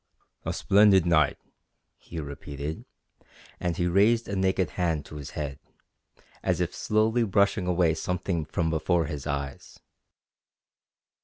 "A splendid night," he repeated, and he raised a naked hand to his head, as if slowly brushing away something from before his eyes.